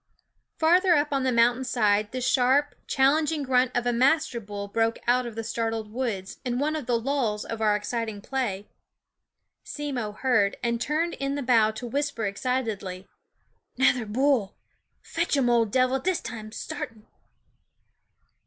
Far up on the mountain side the sharp, challenging grunt of a master bull broke out of the startled woods in one of the lulls of our exciting play. Simmo heard, and turned in the bow to whisper excit edly: " Nother bull ! Fetch urn OF Dev'l this time, sartin."